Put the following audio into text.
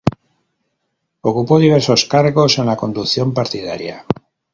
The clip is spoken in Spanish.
Ocupó diversos cargos en la conducción partidaria.